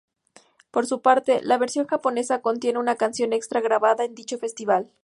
Por su parte, la versión japonesa contiene una canción extra grabada en dicho festival.